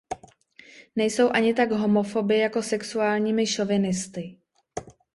Nejsou ani tak homofoby jako sexuálními šovinisty.